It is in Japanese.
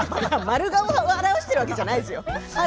丸顔を表してるわけじゃないですよ！